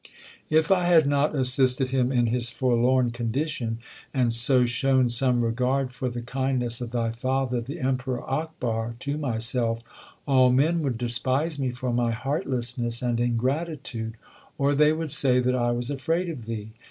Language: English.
If I had not assisted him in his forlorn condition, and so shown some regard for the kindness of thy father the Emperor Akbar to myself, all men would despise me for my heartlessness and ingratitude, or they would say that I was afraid of thee.